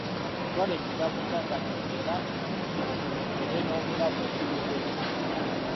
Twala ekigambo kya Katonda era okulembere n'obulamu obujjudde empisa.